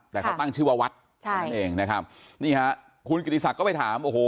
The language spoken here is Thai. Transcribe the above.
แต่เขาตั้งชื่อว่าวัดใช่นั่นเองนะครับนี่ฮะคุณกิติศักดิ์ก็ไปถามโอ้โห